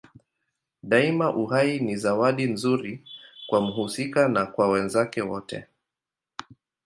Daima uhai ni zawadi nzuri kwa mhusika na kwa wenzake wote.